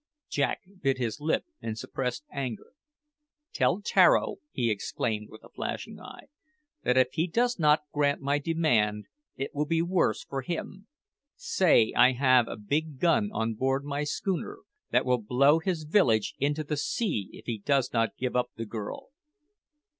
Jack bit his lip in suppressed anger. "Tell Tararo," he exclaimed with a flashing eye, "that if he does not grant my demand it will be worse for him. Say I have a big gun on board my schooner that will blow his village into the sea if he does not give up the girl."